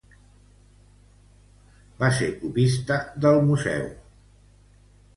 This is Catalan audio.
Va ser copista del Museu del Prado.